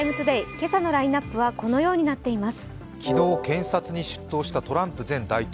今朝のラインナップはこうなっています。